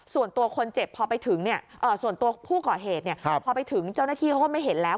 ส่วนตัวผู้เกาะเหตุพอไปถึงเจ้าหน้าที่เขาไม่เห็นแล้ว